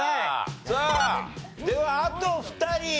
さあではあと２人。